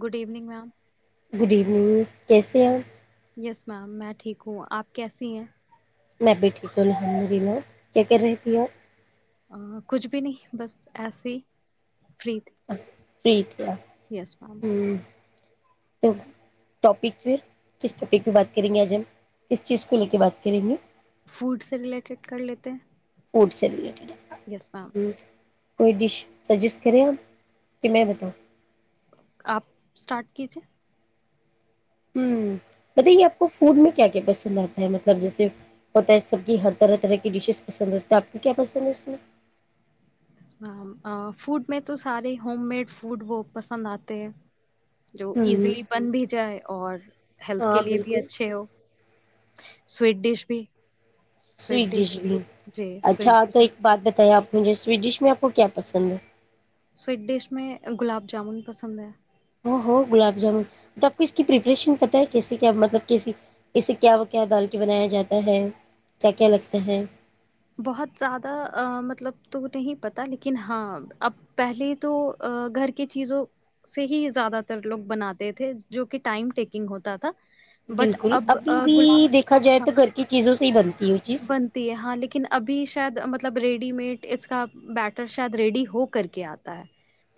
good evening ma'am good evening کیسے آپ yes ma'am میں ٹھیک ہوں آپ کیسی ہیں میں بھی ٹھیک ہوں ن مری میں کیا کر رہی ت ہپ ا کچھ بھی نہیں بس ایسے ہی فریتی فریت یس میم تو ٹاپک پ کس ٹاپک پ بات کریں گے آج ہم کس چیز کو لے کے بات کریں گے فوڈ سے ریلیٹڈ کر لیتے فوٹس لی یس میم کوئی ڈش سجیسٹ کریں آپ کہ میں بتاؤں آپ اسٹارٹ کیجیے ہ بتائیے آپ کو فوڈ میں کیا کیا پسند آتا ہے مطلب جیسے ہوتا ہے سب کی ہر طرح طرح کی ڈشیز پسند ہوتے آپ کو کیا پسند ہے اس میں میم فوڈ میں تو سارے ہوم میڈ فوڈ وہ پسند آتے ہیں جو ہوں ایزیلی بن بھی جائے اور ہیلتھ ہاں کے لیے بھی بالکل اچھے ہو سویٹ ڈش بھی سوٹ ڈش بھی جی اچھا سویٹ ڈش تو ایک بات بت آپ مجھے سویٹ ڈش میں آپ کو کیا پسند ہے سویٹ ڈش میں گلاب جامن پسند ہے ہو گلاب جامن تو آپ کو اس کی پریپریشن پت ہے کیسے کیا مطلب کیسی کیسے کیا کیا ڈال کے بنایا جاتا ہے کیا کیا لگتا ہے بہت زیادہ مطلب تو نہیں پتا لیکن ہاں اب پہلے تو گھر کی چیزوں سے ہی زیادہ تر لوگ بناتے تھے جو کہ ٹائم ٹیکنگ ہوتا تھا بٹ بالکل اب ابھی آ, بھی گلاب دیکھا جائے ہاں تو گھر کی چیزوں سے ہی بنتی ہے وہ چیز بنتی ہے ہاں لیکن ابھی شاید مطلب ریڈی میڈ اس کا بیٹر شاید ریڈی ہو کر کے آتا ہے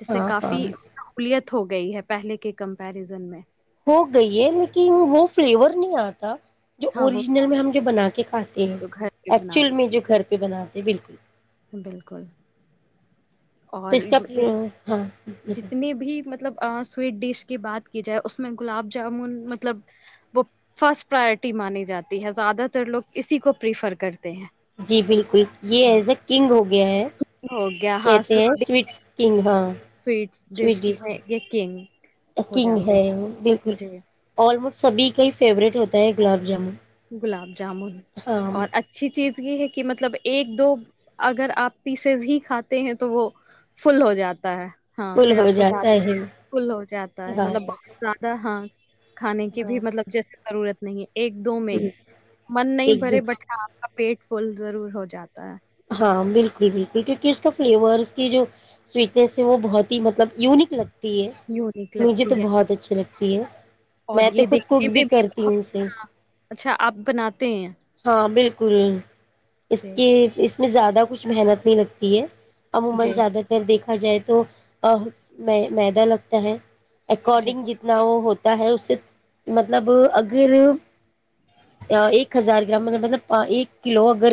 جس سے ہاں ہاں کافی سہولیت ہو گئی ہے پہلے کے کمپیرزن میں وہ گئی ہے لیکن وہ فلیور نہیں آتا جو ہاں وہ اوریجنل میں ہم جو بنا کے کھاتے ہیں جو گھر پہ بنا ایکچول میں سکتے جو گھر پہ بناتے ہیں بالکل بالکل تو اور اس کا ہاں جتنی بھی مطلب سویٹ ڈش کی بات کی جائے اس میں گلاب جامن مطلب وہ فرسٹ پراورٹی مانی جاتی ہے زیادہ تر لوگ اسی کو پریفر کرتے ہیں جی بالکل یہ ایز اے کنگ ہوگی گ ہے ہو گیا ہاں کہتے ہیں سویٹ سویٹس کنگ ڈش ہاں سویٹس ڈش سویڈش میں یہ کنگ ہو کنگ جاتے ہے ہیں بالکل جی آلموسٹ سبھی کا ہی فیوریٹ ہوتا ہے گلاب جامن گلاب جامن ہاں اور اچھی چیز یہ ہے کہ مطلب ایک دو اگر آپ پیسز ہی کھاتے ہیں تو وہ فل ہو جاتا ہے ہاں فل پھر ہو آپ کو جاتا زیادہ ہے فل ہو جاتا ہے ہاں مطلب بہت زیادہ ہاں کھانے کی بھی ہاں مطلب جیسے ضرورت نہیں ہے ایک میں ہی من نہیں ایک بھرے دم بٹا آپ کا پیٹ پل ضرور ہو جاتا ہے ہاں بالکل بالکل کیونکہ اس کا فلیور اس کی جو سویٹنیس ہے وہ بہت ہی مطلب یونک لگ یونیک مجھے تو لگتی ہے بہت اچھے لگتا [unintelligible] اور میں تو یہ خود کوک دیکھنے بھی میں کرتی ہوں بہت اسے ہاں اچھا آپ بناتے ہیں ہاں بالکل اس جی کے اس زیادہ کچھ محنت نہیں لگتی ہے عموما جی زیادہ تر دیکھا جائے تو مدہ لگتا ہے جی اکارڈنگ جتنا وہ ہوتا ہے اس سے مطلب اگر ایک ہزار گرام مطلب ایک کلو اگر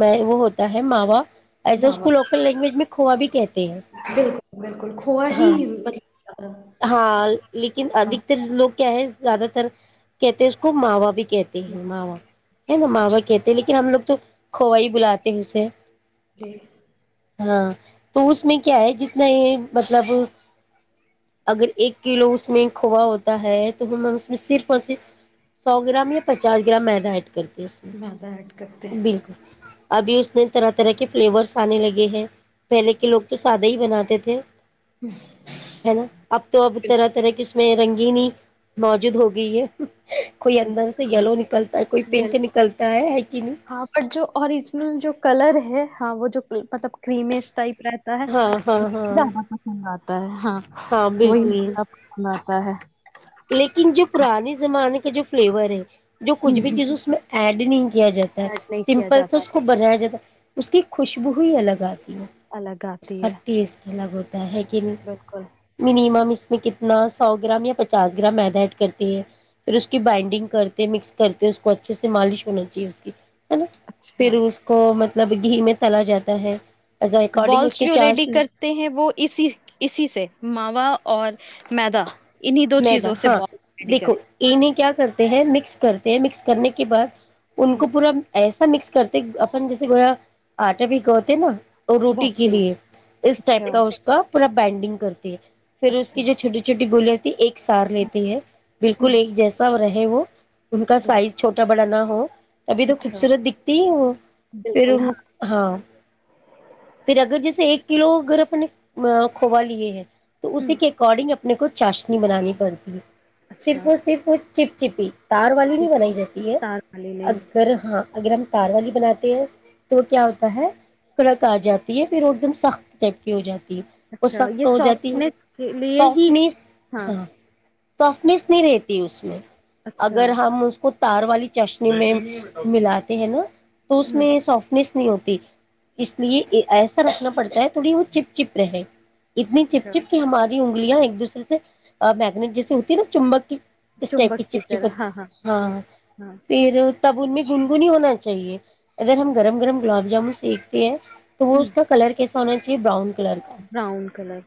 میں وہ ہو ہے ماوا ایسا واہ اس کو واہ لوکل لینگویج میں کوا بھی کہتے ہیں بالکل بالکل کھووا ہی ہاں مطلب ہاں لیکن ہاں ادکتر لوگ کیا ہے زیادہ تر کہتے ہیں اس کو ماں باپ بھی کہتے ہیں ماوا ہے نا ماوا اچھا کہتے ہیں لیکن ہم لوگ تو کھوائی بلااتا د سے جی ہاں تو اس میں کیا ہے جتنا یہ مطلب اگر ایک کلو اس میں کھووا ہوتا ہے تو ہم اس میں صرف اور صرف سو گرام یا پچاس گرام میدا ایڈ کر میدا ایڈ کرتے میں ہیں بالکل ابھی اس میں طرح طرح کے فلیورس آنے لگے ہیں پہلے کے لوگ تو سادہ ہی بناتے تھے ہے نا اب تو اب طرح طرح کے میں رنگینی موجود ہوگئی ہے کوئی اندر سے ہاں یلو نکلتا ہے کوئی یہ پنک نکلتا ہے ہے کہ نہیں ہاں پر جو اوریجنل جو کلر ہے ہاں وہ جو مطلب کریم ٹائپ رہتا ہے ہاں ہاں ہاں زیادہ پسند آتا تو ہاں وہیب پسند آتا ہے لیکن جو پرانے زمانے کا جو فلیور ہے جو کچھ ہوں بھی ہوں چیز اس میں اڈنی کیا جاتا ہے ایڈ نہیں کیا سمپل سے جاتا اس تھا کو بنایا جاتا ہے اس کی خوشبو ہی الگ آتی الگ اس آتی کا ہے ٹیسٹ لگ ہےیکن بالکل منیمم اس میں کتنا سو گرام یا پچ چاس گرام میدا ایڈ کرتی ہے پھر اس کی بائنڈنگ کرتے مکس کرتے اس کو اچھے سے مالش ہونا چاہیے اس کی ہے نا پھر اچھا اس کو م نب گھی میں تلا جاتا ہے ایز اکارڈنگ اس بالس کے جو ریڈی چارج کرتے ہیں وہ اسی اسی سے ماوا اور میدا انہیں دو میں د چیزوں سے ہاں بال ریڈی دیکھو کرتے یہ نہیں کیا کرتا ہیں مکس کرتے ہیں مکس کرنے کے بعد ان ہ کو پورا ایسا مکس کرتے اپن جسے گویا آٹا بکوتے نا اور روٹی کے ویسے ہی لیے اس اچھا ٹائپ کا اس کا پورا بینڈنگ کرتے پھر اس اچھا کی جو چھوٹی چھوٹی گولیا ایک سار لیتے ہیں ہ بالکل ایک جیسا رہے ہی وہ ان کا بالکل سائز چھوٹا بڑا نا ہاں ابھی تو اچھا خوبصورت دکھتی وہ پھر بالکل ہاں ہاں پھر اگر جیسے ایک کلو اگر اپ نے کھوا لیے ہیں تو اسی ہ کے اکارڈنگ اپ ن کو چاش کنی بنانی پڑتی ہے اچھا صرفو صرف چپ چپی تار والی نہیں ٹھیک بنائی جاتی ہے تار والی نہیں اگر ہاں اگر ہم تار والی بناتے ہیں تو کیا ہوتا ہے کڑک آ جاتی ہے پھر ایک دم سخت ٹائپ کی ہو جاتی وہ اچھا یہ سخت ہو جاتی ہے سافٹنیس کے لیے ہی سافٹنیس ہاں سفمس نہیں رہتی اس میں اگر اچھا ہم اس کو تار والی چشنی میں ملاتے ہیں نا تو اس ہ میں سافٹنیس نہیں ہوتی اس لیے ایسا رکھنا پڑتا ہے تھوڑی وہ چپ چپ رہے اتنی اچھا چپ چپ کی ہماری انگلیاں ایک دوسرے سے اور میگنیٹ جیسی ہوتی نا چمبک کی اس ائپ کی چ چپ ہاں پھر تب ان میں گنگنی ہونا چاہیے ادگر ہم گرم گرم گلاب جامن سیکتے ہیں تو وہ ہ اس کا کلر کیس سو کی باؤن براؤن کلر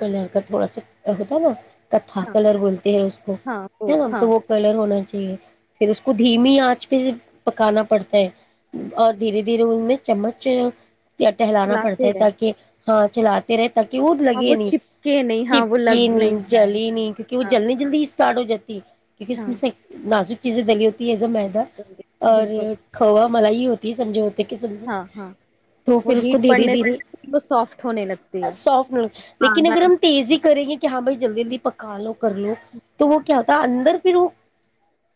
کلاکت بچ ا ہوتا نا ہ ہاں کلر بولتے ہیں اس کو ہاں ہے ن تو ہاں وہ کلر ہو ہونا چاہیے پھر اس کو اچھا دھیمی آنچ پہ پکانا پڑتا ہے اور دھیرے دھیرے ان میں چمچ ٹہلانا پڑتا چلاتے ہے رہنا تاکہ ہاں چلاتتے رہتے ت کہ وہ اور لگے نہیں چپکے نہیں ہاں وہ چپکی لگ نہیں جل جائے ہی نہیں کیونکہ وہ ہاں جلدنی جلد اس چاڑو جاتتی کیونکہ ہاں اس سے لازک چیزیں دلی ہوتی ہے میدا اور بالکل یہ کھوا مل ہی ہوتی سمجے ہوتی س ہاں ہاں تو وہ پھر اس کو ہیٹ دھیرے پڑنے دھیرے سے وہ سافٹ ہونے لگتی ہے سافٹ مل ہاں لیکن اگر دال ہم تیزی کریں گے تو کیا بھائی جلدیی پکا لو کر لو تو وہ کیا ت اندر پھرو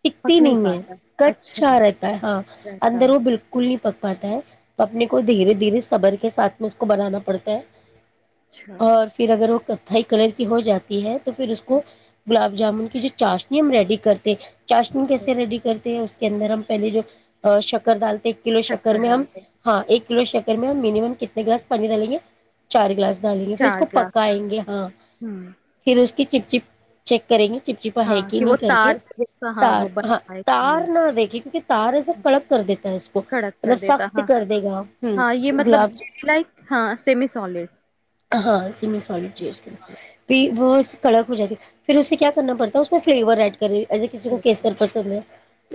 سکھتی پک نہیں ہے پاتا اچھا کچھا رہتا ہے ہاں رہتا ہے اندر وہ بالکل نہیں پکتا پاتا ہے تو اپنے کو دھیرے دھیر صبر کے ساتھ میں اس کو بنانا پڑتا ہے اچھا اور پھر اگر وہ کر تھتھائی کلر کی ہو جاتی تو پھر اس کو گلاب جامن کی جو چاشنی ہم ریڈی کرتے چاشنی پھر کیسے ریڈی کرتے ہیں اس کے اندر ہم پہلے جو شکر دال ایک کلو شکر میں ہم ہاں ایک لو شکر میں ہم مینمم کتنے گلاس پانی ڈالیں گے چار گلاس ڈالیں گے پھر اس چار کو گلاس پکائیں گے ہاں ہمم اس کی چپ چپ چیک کریں گے چپچپا ہاں ہےیکی کہ وہ نہیں کر کے تار کا تار وہ بن ہاں پائے کہ نہیں تار نہ د کے کیونکہ تار ایسا ہاں، کڑک کر دیتا ہے اس کو کڑک کر مطلب دیتا سخت ہاں کر دے گا ہ ہاں یہ مطلب گلاب لائک ہاں سیمی سالڈ ہاں سال وہ کڑک ہو جاتی پھر اسے کیا کرنا پڑتا ہے اس میں فلیور ایڈ کری ایسے کسی کو کیسر پسند ہے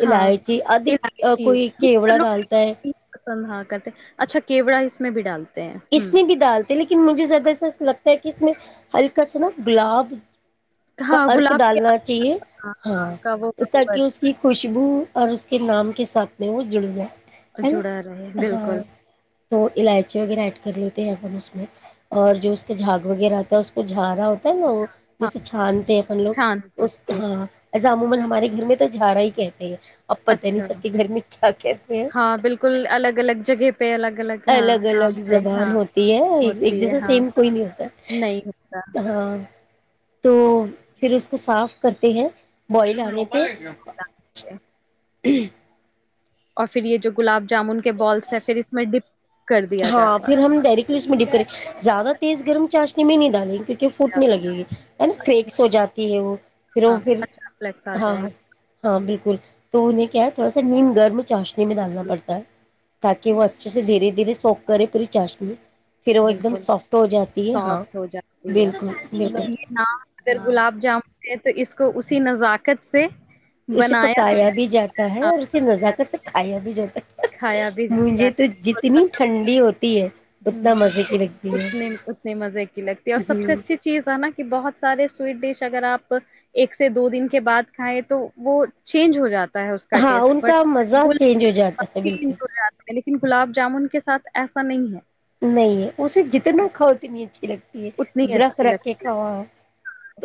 ہاں الائچی ادک الائچی کوئی زیادہ کیوڑا لوگ ڈالتا ہے الائچی پسند ہاں کرتے ہیں، اچھا کیوڑا اس میں بھی ڈالوں اس نے بھی ڈالتے لیکن لن مجھے زیادہ سا لگتا ہے کہ اس میں ہلکا سا نا گلاب کا ہاں ارک گلاب کے ڈالنا چاہیے ہاں کا وہ تاک فلیور اس کی خوشبو اور اس کے نام کے ساتھ میں وہ جڑ گیا جڑا رہے بالکل تو علاائچ وغیر کر لیتے ہیں اس میں اور جو اس کا جھاگ وغیرہ آتا ہے اس کو جھاڑ ہوتا ہے نا وہ ہاں جیسے چانتے ہیں اپن چھان لوگ اس کے ہاں عموما ہمارے گھر میں تو جا رہا ہی کہتے ہیں اب پتہ نہیں اچھا سب کے گھر میں کیا کہتے ہیں ہاں بالکل الگ الگ جگہ پہ الگ الگ ہاں الگ نام الگ سے زبان ہاں ہوتی ہے ایک ہوتی ہے جیسا ہاں سیم کوئی نہیں ہوتا ہاں تو پھر اس کو صاف کرتے ہیں بوائل آنےہ [unintelligible] [unintelligible] اور پھر یہ جو گلاب جامن کے بالس ہے پھر اس میں ڈپ کر دیا ہاں جاتا پھر ہم ڈائریکٹلی اس میں ڈف کرے زیادہ تیز گرم چا تمی نہیں ڈالی ہے، فوٹنے لگے گی ہے نا فیکس ہو اچھا جاتی ہے وہ پھر وہ ہاں پھر اچھا فلیکس آ ہاں جائیں ہاں ہاں بالکل تو انہیں کیا ہے تھوڑا سا نیم گرم چاشنی میں ڈالنا گے بالکل پڑتا ہے تاکہ وہ اچھے سے دھیرےھیرے سوکر کرری چاشمی بالکل سافٹ ہو جاتی ہے بالکل بالکل مطلب یہ ن اگر ہاں گلاب جامن تو اس کو اسی نزاکت سے اسے پکایا بھی جاتا ہے اور اسے نذاکت سے کھایا بھی جاتا ہے کھایا مھے تو جتنی ٹھنڈی ہوتی ہے ہ اتنا مزے کی لگتی اتنے ہے اتنے مزے کی لگتی ہے اور سب سے اچھی چیز ہے نا کہ بہت سارے سویٹ ڈش اگر آپ ایک سے دو دن کے بعد کھائیں تو وہ چینج ہو جاتا ہے اس کا ہاں ٹیسٹ ان کا بٹ مزہ تو چینج ہو جاتا ہے بالکل ج ہے لیکن گلاب جامن کے ساتھ ایسا نہیں ہے نہیں اسے جتنا خت نہیں اچھی لگتی اتنی ہے درخت اچھی رکھ کے لگتی کھوا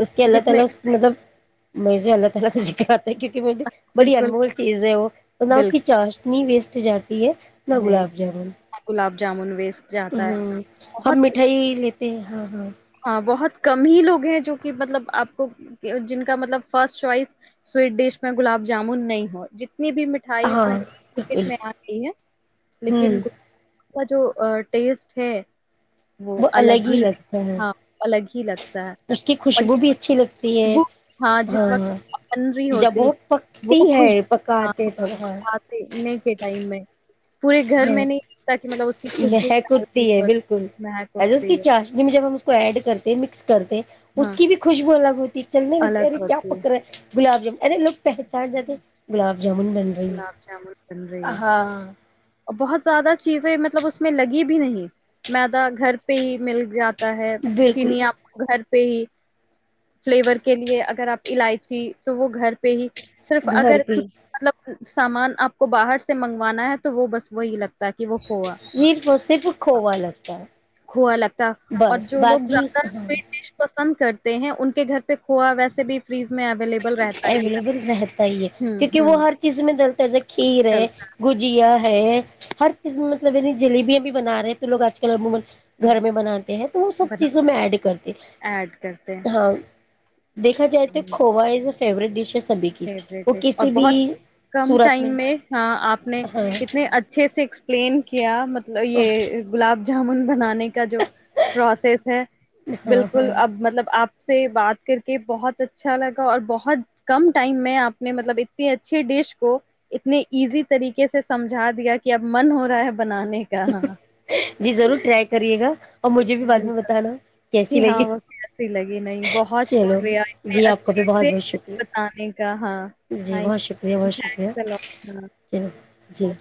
اس کے ہے اللہ تعالی جتنے اس مطلب [unintelligible] کیونکہ م بڑی بالکل امول چیز ہے وہ نہ اس کی بالکل چاش نہیں ویسٹ تجار ے میں نہیں گلاب جامن گلاب جامن ویس ہاں ہم مٹھائی لیتے ہیں ہاں ہاں ہاں بہت کم ہی لوگ ہیں جو کہ مطلب آپ کو جن کا مطلب فسٹ چوائس سویٹ ڈش میں گلاب جامن نہیں ہو جنا اتنی بھی مٹھائی ہاں ہاں بلے مارکیٹ بالکل میں آ رہئی ہے لیکن ہوں اس کا جو ٹیسٹ ہے وہ الگ ہی ہاں الگ لگتا ہے اس کی اور خوشبو یہ بھی اچھی لگتی ہے خوشبو جس وقت ہاں بن رہی جب ہوتی وہ ہے پکتی وہ ہے خوشبو ہاں پکاتے توب ہاں کھانے کے ٹائم میں پورے گھر ہاں میں نہیں ہوتا کہ مطلب اس کی خوشبوٹتی مہکتی ہے بالکل ایسے اس کی ہے چاشنی میں جب ہم اس ایڈ کرتے ہیں مکس کرتے اس ہاں کی بھی خوشبو الگ ہوتی ہے چلنے میںچے الگ کیا ہوتی فکر ہے گلاب ج ا لوگ پہچان جاتے ہیں گلاب جامن بن رہی ہے گلاب جامن بن رہی ہے ہاں بہت زیادہ چیزیں مطلب اس میں لگی بھی نہیں میدا گھر پہ ہی مل جات تا ہےن بالکل آپ گھر پہ ہی فلیور کے لیے اگر آپ الائچی تو وہ گھر پہ ہی صرف گھر اگر پہ کچھ سامان آپ کو باہر سے منگوانا ہے تو وہ بس وہی لگتا ہے کہ وہ کھووا صرف اور صرف کھووا لگتا کھووا لگتا ہے اور بس جو لوگ باقی زیادہ سویٹ ڈش کرتے ہیں ان کے گھر پہ کھو ویسے بھی فریج میں اویلیبل رہتا ہی اویلیبل رہتا ہی ہے ہوں کیونکہ ہوں وہ ہر جس میں ڈلتا جسے کھیر ہے چلتا گجی ہے ہر چیز مطلبعنی جلیبیاں بھی بنا رہے ہیں تو لوگ آج کل عموما گھر میں بناتے ہیں تو وہ سب چیزوں میں بناتے ایڈ کرتے ایڈ کرتے ہیں ہاں دیکا جائے تو کھوائی فوریٹ ڈشس فیورٹ ڈش اور بہت کم ٹائم میں ہ آپ نے ہاں کتنے اچھے سے پلین کیا یہ گلاب جامن بنانے کا جو پروسیس ہے ہاں بالکل ہاں اب مطلب آپ سے بات کر کے بہت اچھا لگا اور بہت کم ٹائم میں آپ نے مطلب اتنی اچھی ڈش کو اتنے ایزی طریقے سے سمجھا دیا کہ اب من ہو رہا ہے بنانے کا ہاں جی ضرور ٹرائی کریے گا اور مجھے بھی بالکل بعد میں بالکل، بتانا کہ کیسی ہاں لگی وہ کیسی لگی نہیں بہت چلو شکریہ اتنے جی آپ کا بھی اچھے بہت سے بہت شکریہ بتانے کا ہاں جی تھینک بہت شکریہ یو، بہت شکریہ تھینکس ا لاٹ ہاں چلو [inaudible]